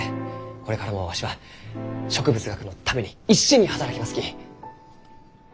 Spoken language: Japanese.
これからもわしは植物学のために一心に働きますき！